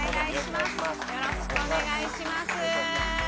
よろしくお願いします。